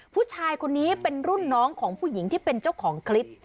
ผู้ชายคนนี้เป็นรุ่นน้องของผู้หญิงที่เป็นเจ้าของคลิป